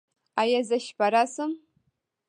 ایا زه شپه راشم؟